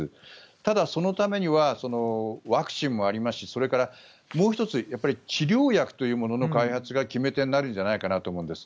ただ、そのためにはワクチンもありますしそれからもう１つ治療薬というものの開発が決め手になるんじゃないかなと思うんです。